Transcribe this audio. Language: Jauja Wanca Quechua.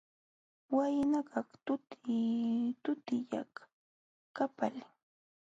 Waynakaq tuki tukillam qapalin.